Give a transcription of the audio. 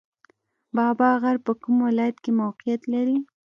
بابا غر په کوم ولایت کې موقعیت لري؟